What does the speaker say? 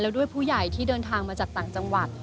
แล้วด้วยผู้ใหญ่ที่เดินทางมาจากต่างจังหวัด